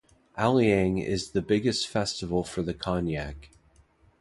Aoleang is the biggest festival for the Konyak.